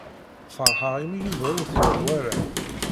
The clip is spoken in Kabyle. Feṛḥeɣ imi Yuba ur t-yuɣ wara.